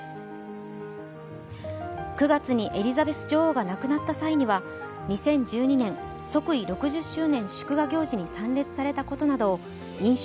９月にエリザベス女王が亡くなった際には、２０１２年、即位６０周年祝賀行事に参列されたことなどを印象